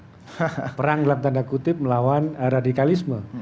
ya ya kalau kita menurut saya itu adalah kabinet yang berkutip melawan radikalisme